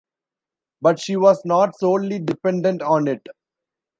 But she was not solely dependent on it.